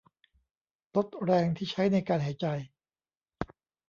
ลดแรงที่ใช้ในการหายใจ